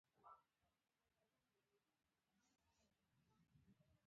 لسمه پوښتنه د سازمان د تعریف په اړه ده.